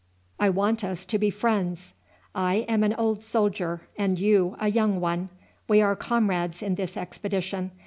I want us to be friends. I am an old soldier, and you a young one. We are comrades in this expedition.